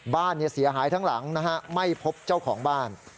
บ้านเสียหายทั้งหลังนะฮะไม่พบเจ้าของบ้าน